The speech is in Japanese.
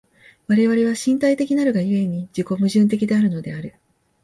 我々は身体的なるが故に、自己矛盾的であるのである。